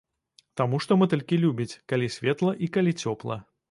Таму што матылькі любяць, калі светла і калі цёпла.